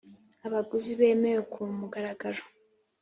Abaguzi bemewe ku mugaragaro.